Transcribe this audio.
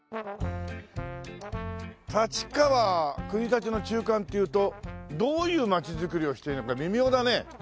立川国立の中間っていうとどういうまちづくりをしていいのか微妙だね。